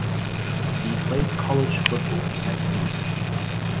He played college football at Duke.